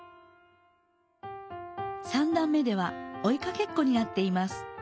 ３だん目ではおいかけっこになっています。